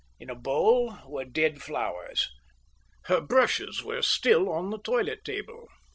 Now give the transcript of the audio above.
In a bowl were dead flowers. Her brushes were still on the toilet table.